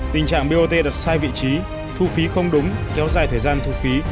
tình trạng bot đặt sai vị trí thu phí không đúng kéo dài thời gian thu phí